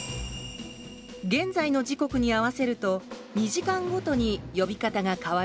現在の時刻に合わせると２時間ごとに呼び方が変わります